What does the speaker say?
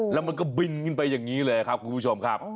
แล้วมันก็บินขึ้นไปอย่างนี้เลยครับคุณผู้ชมครับ